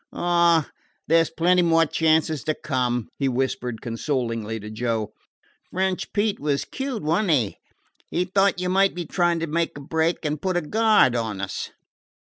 "Oh, there 's plenty more chances to come," he whispered consolingly to Joe. "French Pete was cute, was n't he? He thought you might be trying to make a break, and put a guard on us."